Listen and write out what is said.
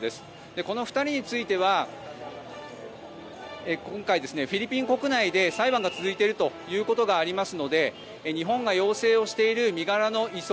この２人については今回、フィリピン国内で裁判が続いているということがありますので日本が要請している身柄の移送